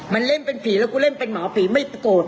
มันเล่นเป็นผีแล้วกูเล่นเป็นหมอผีไม่โกรธ